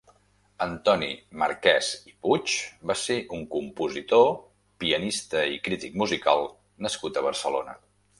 Antoni Marquès i Puig va ser un compositor, pianista i crític musical nascut a Barcelona.